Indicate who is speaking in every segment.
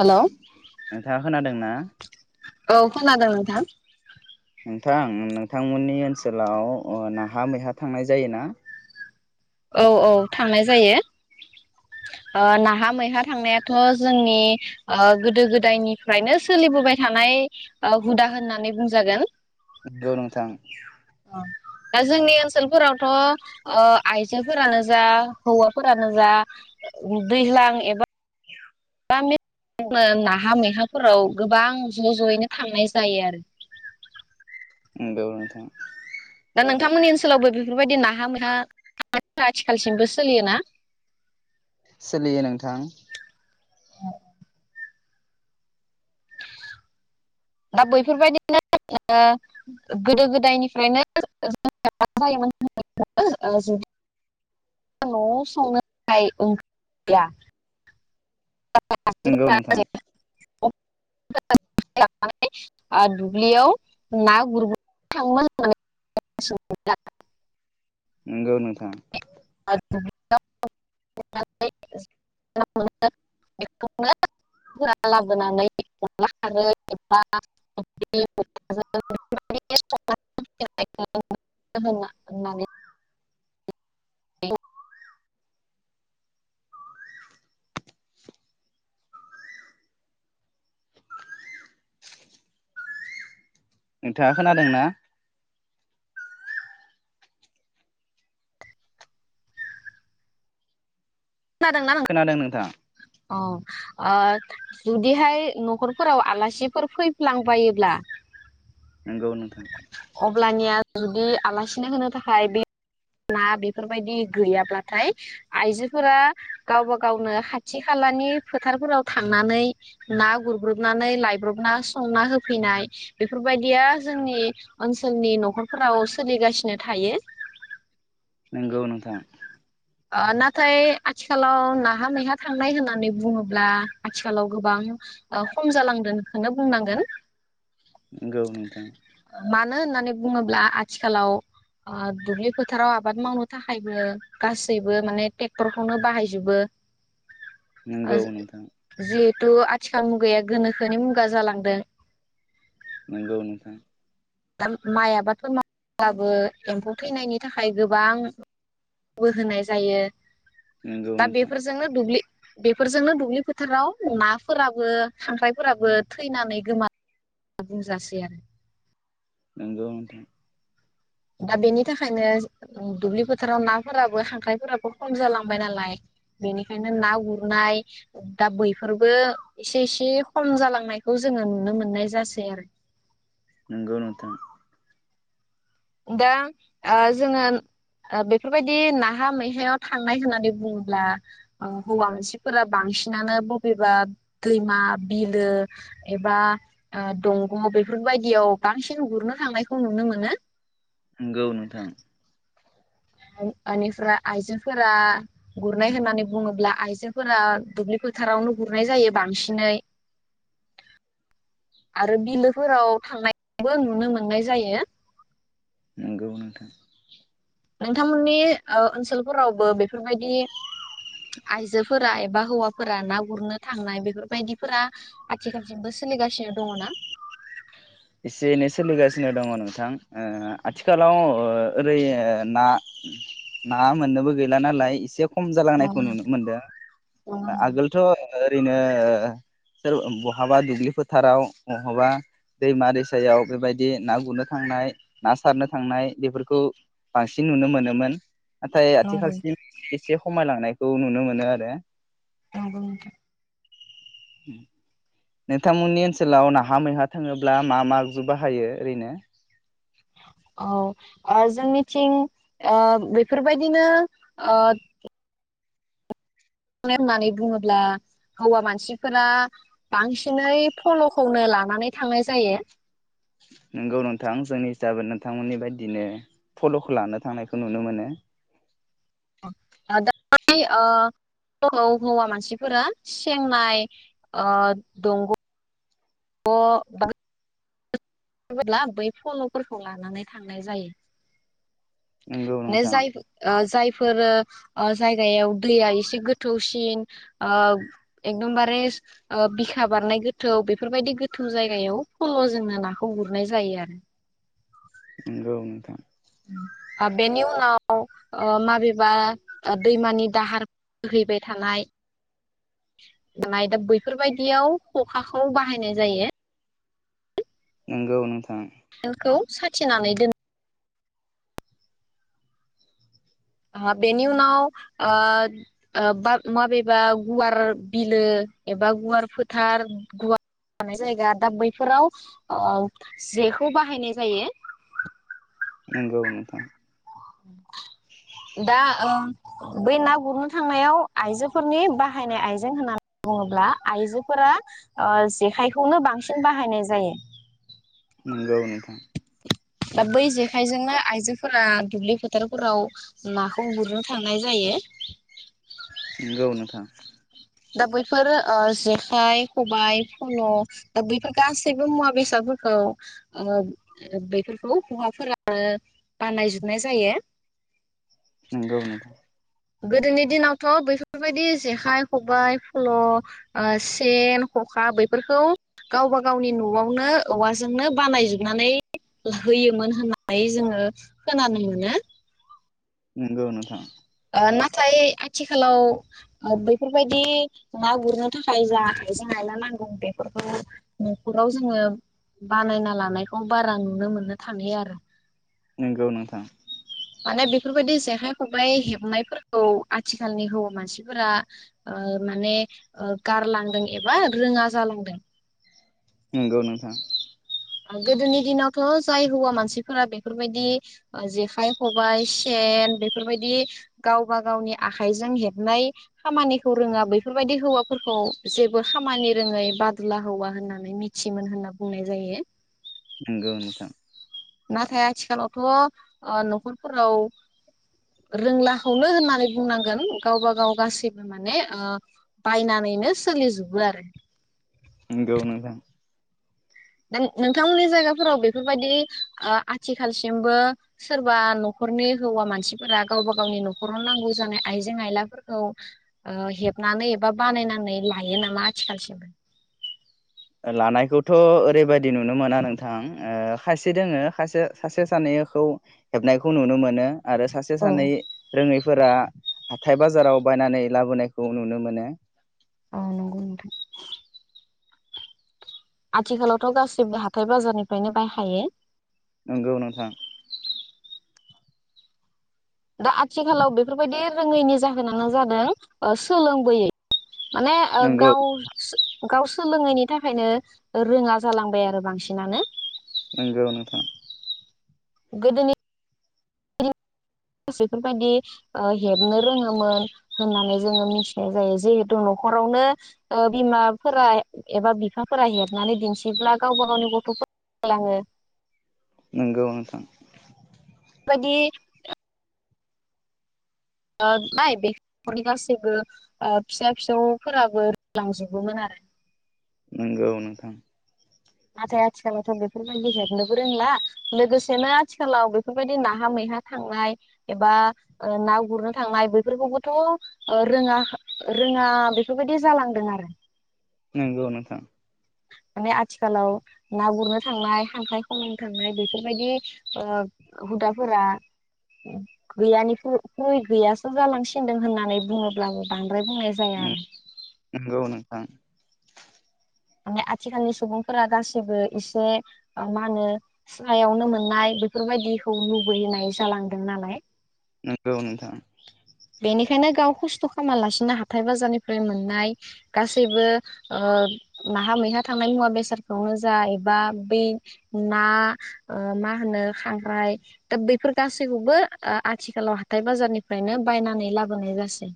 Speaker 1: हेल'
Speaker 2: नोंथाङा खोनादोंना?
Speaker 1: औ [unintelligible]
Speaker 2: नोंथां नोंथांमोननि ओनसोलाव ओ नाहा मैहा थांनाय जायो ना?
Speaker 1: औ औ थांनाय जायो ओ नाहा मैहा थांनायाथ' जोंनि ओ गोदो गोदायनिफ्रायनो सोलिबोबाय थानाय ओ हुदा होननानै बुंजागोन।
Speaker 2: [unintelligible] नोंथां
Speaker 1: दा जोंनि ओनसोलफोरावथ' ओ आइजोेंफोरानो जा हौवाफोरानो जा दैज्लां एबा [unintelligible] नाहा मैहाफोराव गोबां ज' ज'यैनो थांनाय जायो आरो
Speaker 2: उम नंगौ
Speaker 1: दा नोंथांमोननि ओनसोलावबो बेफोरबायदि नाहा मा आथि [inaudible] खालसिमबो सोलियोना?
Speaker 2: सोलियो नोंथां
Speaker 1: दा बैफोरबायदिनो [inaudible] गोदो गोदायनिफ्रायनो ज [inaudible] म [inaudible] जायोमोन ज न'आव संनो ओंथिया
Speaker 2: नंगौ नोंथां
Speaker 1: [unintelligible] [unintelligible] दुब्लियाव [inaudible] ना [unintelligible] गुर [unintelligible] थाङोमोन होननानै [unintelligible]
Speaker 2: नंगौ नोंथां
Speaker 1: [unintelligible]
Speaker 2: नोंथाङा खोनादोंना?
Speaker 1: खोनादोंना नों
Speaker 2: खोनादों नोंथां
Speaker 1: अ अ जुदिहाय न'खरफोराव आलासिफोर फैफ्लांबायोब्ला
Speaker 2: नंगौ नोंथां
Speaker 1: अब्लानिया जुदि आलासिनो होनो थाखाय बे ना बेफोरबायदि गैयाब्लाथाय आइजो फोर गावबा गावनो खाथि खालानि फोथारफोराव थांनानै
Speaker 2: नोंगौ नोंथां
Speaker 1: ना [inaudible] नाथाय आथिखालाव नाहा नमैहा थांनाय होननानै बुङोब्ला आथिखालाव गोबां खम जालांदोंखोनो बुंनांगोन।
Speaker 2: नोंगौ नोंथां
Speaker 1: मानो होननानै बुङोब्ला आथिखालाव दुब्लि फोथाराव आबाद मावनो थाखायबो गासैबो माने टे क्टरखौनो बाहायजोबो
Speaker 2: नोंगौ नोंथां
Speaker 1: थ' आथिखाल मुगाया गोनोखोनि मुगा जालांदों।
Speaker 2: नंगौ नोंथां
Speaker 1: दा माइ आबादफोर मावोब्लाबो एम्फौ थैनायनि थाखाय गोबां बो होनाय जायो
Speaker 2: नंगौ
Speaker 1: दा
Speaker 2: नोंथां
Speaker 1: बेफोरजोंनो दुब्लि बेफोरजोंनो दुब्लि फोथाराव नाफोराबो खांख्राइफोराबो थैनानै गोमा बुंजासै आरो
Speaker 2: नोंगौ नोंथां
Speaker 1: दा बेनि थाखायनो दुब्लि फोथाराव नाफोराबो खांख्रायफोराबो खम जालांबाय नालाय बेनिखायनो ना गुरनाय दा बैफोरबो एसे एसे खम जालांनायखौ जोङो नुनो मोननाय जासै आरो।
Speaker 2: नोंगौ नोंथां
Speaker 1: दा ओ जोङो बेफोरबायदि नाहा मैहायाव थांनाय होननानै बुङोब्ला हौवा मोनसेफोरा बांसिनानो बबेबा दैमा बिलो एबा दंग' बेफोरबायदियाव बांसिन गुरनो थांनायखौ नुनो मोनो।
Speaker 2: नोंगौ नोंथां
Speaker 1: बेनिफ्राय आइजोेंफोरा गुरनाय होननानै बुङोब्ला आइजोफोरा दुब्लि फोथारावनो गुरनाय जायो बांसिनै आरो बिलोफोराव थांनायबो नुनो मोननाय जायो।
Speaker 2: नोंगौ नोंथां
Speaker 1: नोंथांमोननि ओ ओनसोलफोरावबो बेफोरबायदि आइजोफोरा एबा हौवा फोर ना गुरनो थांनाय बेफोरबायदिफोरा आथिखालसिमबो सोलिगासिनो दङ ना?
Speaker 2: एसे एनै सोलिगासिनो दङ नोंथां ओ आथिखालाव ओ ओरै ओ ना ना मोननोबो गैला नालाय एसे खम जालांनायखौ नुनो
Speaker 1: नंगौ
Speaker 2: मोनदों। आगोलथ' ओरैनो सोर बहाबा दुब्लि फोथाराव बहाबा दैमा दैसायाव बेबायदि ना गुरनो थांनाय ना सारनो थांनाय बेफोरखौ बांसिन नुनो मोनोमोन। नाथाय आथिखालसिम एसे एसे खमायलांनायखौ नुनो मोनो आरो।
Speaker 1: औ औ।
Speaker 2: [inaudible] नोंथांमोननि ओनसोलाव नाहा मैहा थाङोब्ला मा मा आगजु बाहायो ओरैनो?
Speaker 1: औ ओ जोंनिथिं ओ बेफोरबायदिनो ओ मे होननानै बुङोब्ला हौवा मानसिफोरा बांसिनै फल'खौनो लानानै थांनाय जायो।
Speaker 2: नोंगौ नोंथां जोंनि हिसाबै नोंथांमोननि बायदिनो फल'खौ लानो थांनायखौ नुनो मोनो।
Speaker 1: दा हौवा मानसिफोरा सेंनाय ओ दंग' [unintelligible] बा ब्ला बै फल'फोरखौ लानानै थांनाय जायो।
Speaker 2: नंगौ
Speaker 1: माने
Speaker 2: नोंथां
Speaker 1: जाय ओ जाय बेफोरो ओ जायगायाव दैया एसे गोथौसिन ओ एकदमबारे बिखा बारनाय गोथौ बेफोरबायदि गोथौ जायगायाव फल' जोंनो ना खौ गुरनाय जायो आरो।
Speaker 2: नंगौ नोंथां।
Speaker 1: आ बेनि उनाव ओ माबेबा ओ दैमानि दाहार बोहैबाय थानाय मायबा बैफोरबायदियाव खखाखौ बाहायनाय जायो।
Speaker 2: नंगौ नोंथां।
Speaker 1: [unintelligible] साथिनानै दोन ओ बेनि उनाव ओ ओ बा माबेबा गुवार बिलो एबा गुवार फोथार गुवार थानाय जायगा दा बैफोराव जेखौ बाहायनाय जायो।
Speaker 2: नंगौ नोथां।
Speaker 1: दा ओ बै ना गुरनो थांनायाव आइजोफोरनि बाहायनाय आइजें होननानै बुङोब्ला आइजोफोरा ओ जेखायखौनो बांसिन बाहायनाय जायो।
Speaker 2: नंगौ नोंथां।
Speaker 1: दा बै जेखायजोंनो आइजोफोरा दुब्लि फोथारफोराव नाखौ गुरनो थांनाय जायो।
Speaker 2: नंगौ नोथां।
Speaker 1: दा बैफोर ओ जेखाइ खबाइ फल' दा बैफोर गासैबो मुवा बेसादफोरखौ ओ बेफोरखौ हौवाफोरा बानायजोबनाय जायो।
Speaker 2: नंगौ नोंथां।
Speaker 1: गोदोनि दिनावथ' बेफोरबायदि जेखाइ खबाइ फल' ओ सेन खखा बैफोरखौ गावबा गावनि न'आवनो औवाजोंनो बानायजोबनानै होयोमोन होननानै जोङो खोनानो मोनो।
Speaker 2: नंगौ नोंथां।
Speaker 1: नाथाय आथिखालाव बेफोरबायदि ना गुरनो थाखाय जा आइजें-आयला नांगौ बेफोरखौ न'खराव जोङो बानायना लानायखौ बारा नुनो मोननो थालिया आरो।
Speaker 2: नंगौ नोंथां।
Speaker 1: माने बेफोरबायदि जेखाय खबाइ हेब नायफोरखौ आथिखालनि हौवा मानसिफोरा ओ माने ओ गारलांदों एबा रोङा जालांदों।
Speaker 2: नंगौ नोंथां।
Speaker 1: गोदोनि दिनावथ' जाय हौवा मानसिफोरा बेफोरबायदि ओ जेखाइ खबाइ सेन बेफोरबायदि गावबा गावनि आखाइजों हेबनाय खामानिखौ रोङा बेफोरबायदि हौवाफोरखौ जेबो खामानि रोङै बादुला हौवा होननानै मिथि मोन होनना बुंनाय जायो।
Speaker 2: नंगौ नोंथां।
Speaker 1: नाथाय आथिखालावथ' ओ न'खरफोराव रोंलाखौनो होननानै बुंनांगोन गावबा गाव गासैबो माने ओ बायनानैनो सोलिजोबो आरो
Speaker 2: नंगौ नोंथां।
Speaker 1: दा नोंथांमोननि जायगाफोराव बेफोरबायदि ओ आथिखालसिमबो सोरबा न'खरनि हौवा मानसिफोरा गावबा गावनि न'खराव नांगौ जानाय आइजें आयलाफोरखौ ओ हेबनानै एबा बानायनानै लायो नामा आथिखालसिमबो
Speaker 2: लानायखौथ' ओरैबायदि नुनो मोना नोंथां ओ खायसे दोङो खायसे सासे सानैखौ हेबनायखौ नुनो मोनो। आरो सासे
Speaker 1: औ
Speaker 2: सानै रोङै फोरा हाथाय बाजाराव बायनानै लाबोनायखौ नुनो मोनो।
Speaker 1: ओ नंगौ नोंथां आथिखालावथ' गासैबो हाथाय बाजारनिफ्रायनो बायहायो।
Speaker 2: नंगौ नोंथां
Speaker 1: दा आथिखालाव बेफोरबायदि रोङैनि जाहोनानो जादों ओ सोलोंबोयै माने ओ
Speaker 2: नंगौ
Speaker 1: गाव गाव सोलोङैनि थाखायनो रोङा जालांबाय आरो बांसिनानो
Speaker 2: नंगौ नोंथां
Speaker 1: गोदोनि मानसिफोरबायदि ओ हेबनो रोङोमोन होननानै जोङो मिथिनाय जायो जिहेथु न'खरावनो ओ बिमाफोरा एबा बिफाफोरा हेबनानै दिनथिब्ला गावबा गावनि गथ'फोरा रोंलाङो।
Speaker 2: नंगौ नोंथां
Speaker 1: बायदि ओ [unintelligible] बेफोरनि गासैबो ओ फिसा फिसौफोराबो रोंलांजोबोमोन आरो
Speaker 2: नंगौ नोंथां
Speaker 1: नाथाय आथिखालावथ' बेफोरबायदि हेबनोबो रोंला लोगोसेनो आथिखालाव बेफोरबायदि नाहा मैहा थांनाय एबा ओ ना गुरनो थांनाय बेफोरखौबोथ' ओ रोङा रोङा बेफोरबायदि जालांदों आरो
Speaker 2: नंगौ नोंथां
Speaker 1: माने आथिखालाव ना गुरनो थांनाय खांख्राइ खन'नो थांनाय बेफोरबायदि ओ हुदाफोरा गैयानिख्रुय गैयासो जालांसिनदों होननानै बुङोब्लाबो बां ब्राय बुंनाय जाया आरो
Speaker 2: नंगौ नोंथां
Speaker 1: माने आथिखालनि सुबुंफोरा गासैबो एसे मा होनो सायावनो मोननाय बेफोरबायदिखौ लुबैनाय जालांदों नालाय।
Speaker 2: नोंगौ नोंथां
Speaker 1: बेनिखायनो गाव खस्थ' खालामालासिनो हाथाय बाजारनिफ्राय मोननाय गासैबो ओ नाहा मैहा थांनाय मुवा बेसादखौनो जा एबा बै ना मा होनो खांख्राय दा बैफोर गासैखौबो आथिखालाव हाथाय बाजारनिफ्रायनो बायनानै लाबोनाय जासै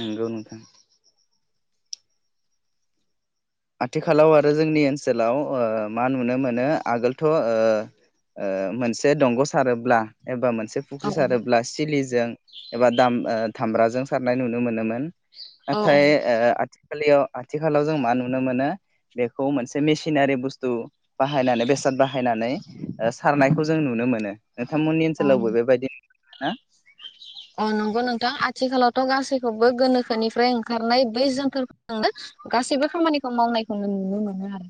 Speaker 2: नंगौ नोंथां आथिखालाव आरो जोंनि ओनसोलाव ओ मा नुनो मोनो आगोलथ' मोनसे दंग' सारोब्ला एबा मोनसे मोनसे फुख्रि
Speaker 1: औ
Speaker 2: सारोब्ला सिलिजों एबा दाम दामब्राजों सारनाय नुनो मोनोमोन।
Speaker 1: औ
Speaker 2: नाथाय आ लियाव आथिखालाव जों मा नुनो नुनो मोनो बेखौ मोनसे मेसिनारि बुस्थु बाहायनानै बेसाद बाहायनानै सारनायखौ जों नुनो मोनो। नोंथांमोननि
Speaker 1: औ
Speaker 2: ओनसोलावबो बेबायदिनो हा
Speaker 1: अ नंगौ नोंथां आथिखालावथ' गासैखौबो गोनोखोनिफ्राय ओंखारनाय बै जोनथोरजोंनो गासैबो खामानिखौ मावनायखौनो नुनो मोनो आरो।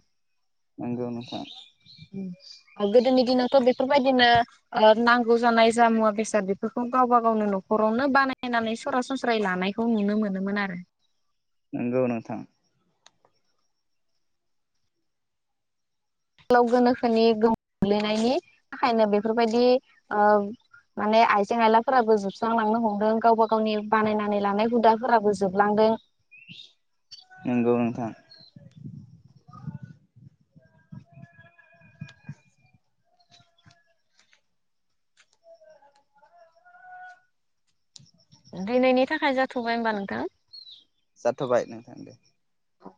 Speaker 2: नोंगौ नोथां
Speaker 1: थ' बेफोरबायाददिनो ओ नांगौ जानाय जा मुवा बेसाद बेफोरखौ गावबा गावनो न'खरावनो बानायनानै सरासनस्रायै लानायखौ नुनो मोनोमोन आरो।
Speaker 2: नंगौ नोंथां
Speaker 1: गोलाव गोनोखोनि गोमोम गोग्लैनायनि थाखायनो बेफोरबायदि अ माने आइजें आयलाफोराबो जोबस्रांलांनो हमदों गावबा गावनि बानायनानै लानाय हुदाफोराबो जोबलांदों।
Speaker 2: नंगौ नोंथां
Speaker 1: दिनि थाखाय जाथ'बाय होनबा नोंथां।
Speaker 2: जाथ'बाय नोंथां दे
Speaker 1: औ